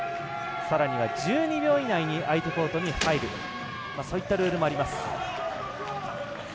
さらには１２秒以内に相手コートに入るそういったルールもあります。